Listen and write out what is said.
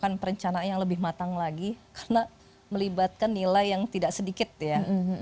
melakukan perencanaan yang lebih matang lagi karena melibatkan nilai yang tidak sedikit ya